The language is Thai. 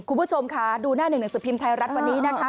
คุณผู้ชมค่ะดูหน้าหนึ่งหนังสือพิมพ์ไทยรัฐวันนี้นะคะ